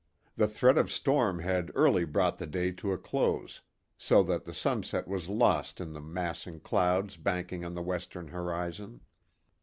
The threat of storm had early brought the day to a close, so that the sunset was lost in the massing clouds banking on the western horizon.